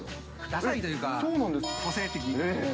ダサいというか個性的。